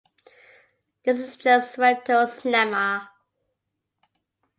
This is just Fatou's lemma.